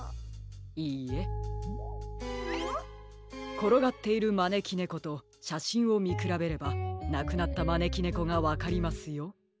ころがっているまねきねことしゃしんをみくらべればなくなったまねきねこがわかりますよ。